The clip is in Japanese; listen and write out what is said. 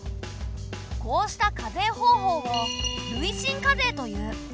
こうした課税方法を累進課税という。